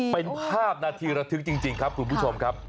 เป็นภาพนาทีระทึกจริงครับคุณผู้ชมครับ